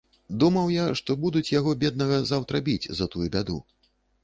Думаў я, што будуць яго, беднага, заўтра біць за тую бяду.